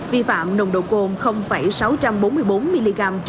vi phạm nồng độ côn sáu trăm bốn mươi bốn mg trên một lít khí thở